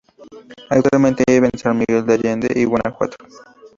Actualmente vive en San Miguel de Allende, Guanajuato.